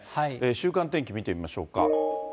週間天気見てみましょうか。